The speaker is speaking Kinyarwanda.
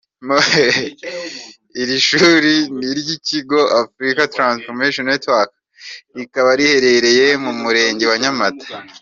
Iri shuri ni iry’ikigo Africa Transformation Network rikaba riherereye mu Murenge wa Nyamata.